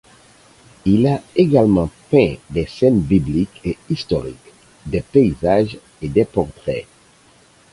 Il a également peint des scènes bibliques et historiques, des paysages et des portraits.